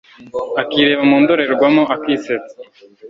akireba mundorerwamo akisetsa